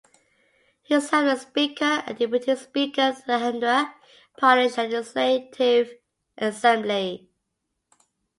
He served as the speaker and deputy speaker of the Andhra Pradesh Legislative Assembly.